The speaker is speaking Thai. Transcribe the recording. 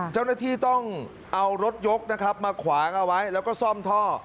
เจ้าหน้าที่ต้องเอารถยกนะครับมาขวางเอาไว้แล้วก็ซ่อมท่อ